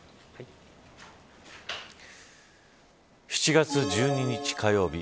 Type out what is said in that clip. ７月１２日火曜日